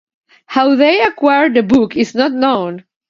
How they acquired the book is not known.